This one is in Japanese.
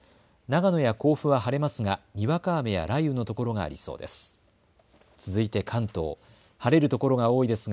長野や甲府は晴れますがにわか雨や雷雨の所がありそうです。